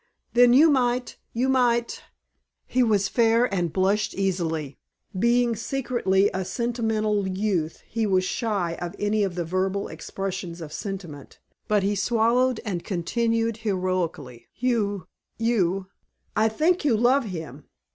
"Then you might you might " He was fair and blushed easily. Being secretly a sentimental youth he was shy of any of the verbal expressions of sentiment; but he swallowed and continued heroically. "You you I think you love him.